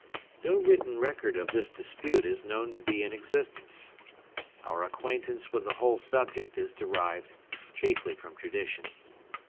No written record of this dispute is known to be in existence. Our acquaintance with the whole subject is derived chiefly from tradition.